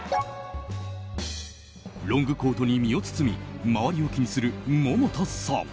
ロングコートに身を包み周りを気にする百田さん。